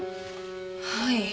はい。